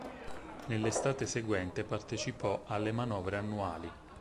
Nell'estate seguente partecipò alle manovre annuali.